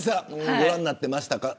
ご覧になってましたか。